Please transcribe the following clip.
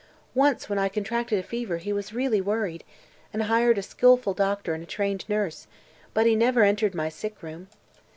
Once, when I contracted a fever, he was really worried, and hired a skillful doctor and a trained nurse; but he never entered my sickroom.